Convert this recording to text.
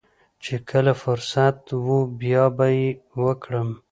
چې کله فرصت و بيا به يې وکړم.